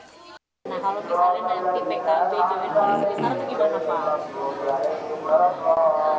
nah kalau misalnya nanti pkb diambil koalisi besar itu gimana pak